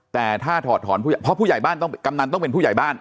แต่ถ้าถอดถอนผู้ใหญ่บ้านเพราะกำหนังต้องเป็นผู้ใหญ่บ้าน